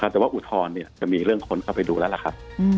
แต่ว่าอุทธรณ์จะมีเรื่องคนเข้าไปดูแล้วล่ะครับ